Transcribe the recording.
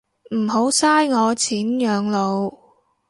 唔好嘥我錢養老